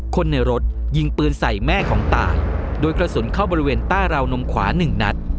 คนในรถยิงปืนใส่แม่ของตายโดยกระสุนเข้าบริเวณใต้ราวนมขวาหนึ่งนัด